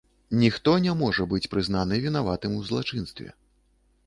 Ніхто не можа быць прызнаны вінаватым у злачынстве.